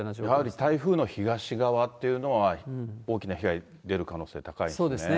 やはり台風の東側っていうのは、大きな被害出る可能性が高いですね。